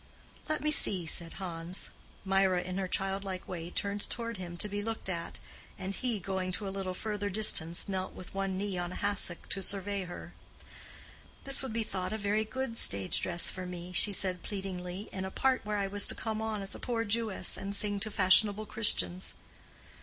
"Let me see," said Hans. Mirah in her childlike way turned toward him to be looked at; and he, going to a little further distance, knelt with one knee on a hassock to survey her. "This would be thought a very good stage dress for me," she said, pleadingly, "in a part where I was to come on as a poor Jewess and sing to fashionable Christians."